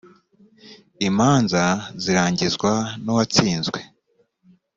imanza zirangizwa n uwatsinzwe